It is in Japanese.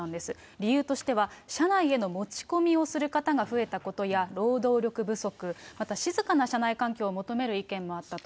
理由としては、車内への持ち込みをする方が増えたことや、労働力不足、また静かな車内環境を求める意見もあったと。